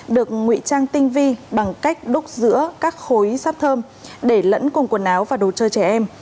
được ngụy trang tinh vi bằng cách đúc giữa các khối sp thơm để lẫn cùng quần áo và đồ chơi trẻ em